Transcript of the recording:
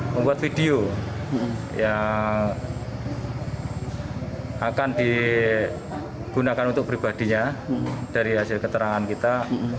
membuat video yang akan digunakan untuk pribadinya dari hasil keterangan kita